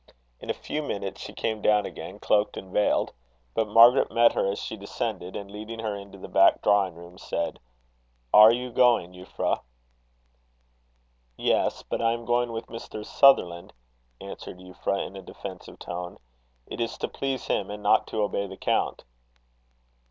In a few minutes she came down again, cloaked and veiled. But Margaret met her as she descended, and leading her into the back drawing room, said: "Are you going, Euphra?" "Yes; but I am going with Mr. Sutherland," answered Euphra, in a defensive tone. "It is to please him, and not to obey the count."